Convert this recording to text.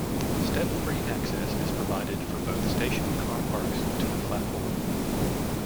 Step-free access is provided from both station car parks to the platform.